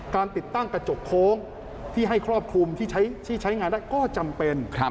ติดตั้งกระจกโค้งที่ให้ครอบคลุมที่ใช้งานได้ก็จำเป็น